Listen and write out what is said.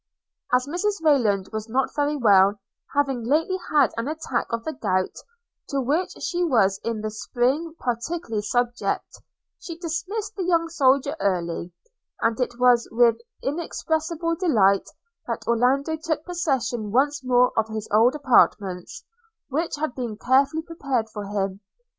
As Mrs Rayland was not very well, having lately had an attack of the gout, to which she was in the spring particularly subject, she dismissed the young soldier early; and it was with inexpressible delight that Orlando took possession once more of his old apartments, which had been carefully prepared for him.